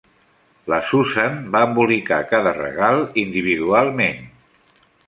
La Susan va embolicar cada regal individualment.